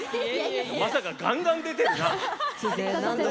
まさかガンガン出てるな。